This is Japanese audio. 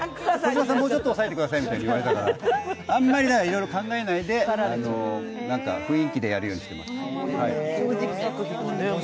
児嶋さん、もうちょっと抑えてくださいって言われたから、あんまりいろいろ考えないで雰囲気でやるようにしています。